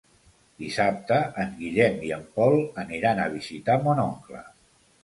Dissabte en Guillem i en Pol aniran a visitar mon oncle.